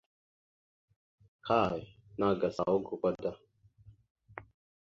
Kay nàgas awak gakwa da.